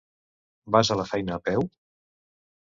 Vas a la feina a peu?